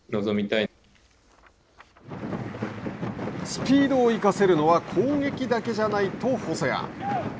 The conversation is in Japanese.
スピードを生かせるのは攻撃だけじゃないと細谷。